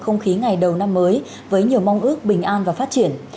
không khí ngày đầu năm mới với nhiều mong ước bình an và phát triển